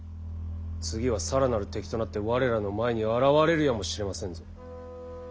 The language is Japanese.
次は更なる敵となって我らの前に現れるやもしれませんぞ。